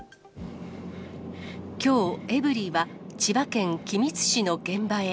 きょうエブリィは、千葉県君津市の現場へ。